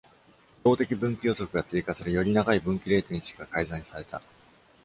動的分岐予測が追加され、より長い分岐レイテンシが改善された。